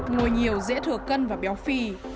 ngồi nhiều dễ thừa cân và béo phì